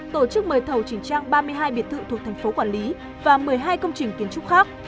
tổ chức mời thầu chỉnh trang ba mươi hai biệt thự thuộc thành phố quản lý và một mươi hai công trình kiến trúc khác